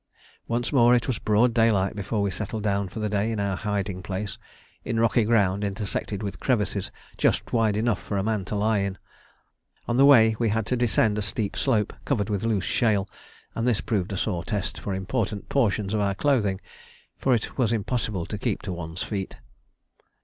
Once more it was broad daylight before we settled down for the day in our hiding place, in rocky ground intersected with crevices just wide enough for a man to lie in. On the way we had to descend a steep slope covered with loose shale, and this proved a sore test for important portions of our clothing, for it was impossible to keep to one's feet.